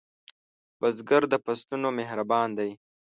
بزګر د فصلونو مهربان دی